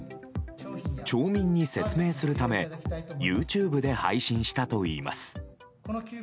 町民に説明するためＹｏｕＴｕｂｅで配信したといいます。